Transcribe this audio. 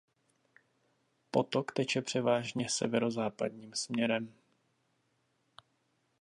Potok teče převážně severozápadním směrem.